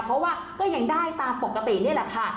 เพราะว่าก็ยังได้ตามปกตินี่แหละค่ะ